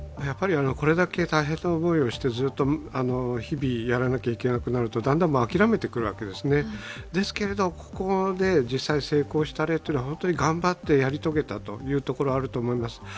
これだけ大変な思いをしてずっと日々やらなきゃいけなくなるとだんだん諦めてくるわけですが、ここで実際、成功した例は頑張って、やり遂げたというところあると思います。